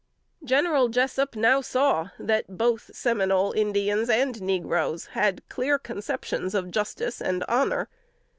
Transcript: General Jessup now saw that both Seminole Indians and negroes had clear conceptions of justice and honor.